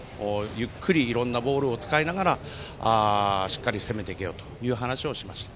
ゆっくりいろいろなボールを使いながらしっかり攻めていけよという話をしました。